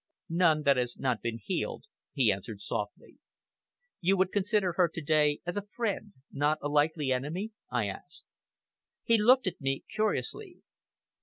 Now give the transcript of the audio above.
"None that has not been healed," he answered softly. "You would consider her to day as a friend not a likely enemy?" I asked. He looked at me curiously.